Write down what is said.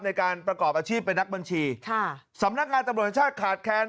ในการประกอบอาชีพเป็นนักบัญชีค่ะสำนักงานตำรวจแห่งชาติขาดแค้น